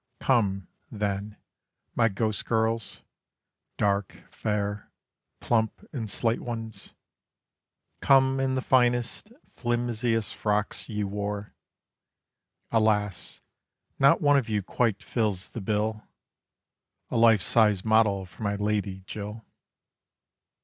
Come, then, my ghost girls, dark, fair, plump, and slight ones, Come in the finest, flimsiest frocks ye wore.... Alas, not one of you quite fills the bill A life size model for my Lady Jill.